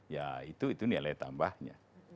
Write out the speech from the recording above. ya itu nilai tambahnya